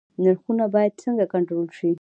نرخونه باید څنګه کنټرول شي؟